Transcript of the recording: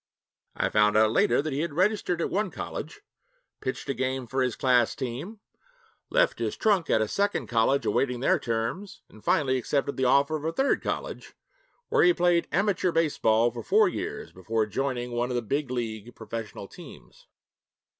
I found out later that he had registered at one college, pitched a game for his class team, left his trunk at a second college awaiting their terms, and finally accepted the offer of a third college, where he played 'amateur' baseball for four years before joining one of the big league professional teams.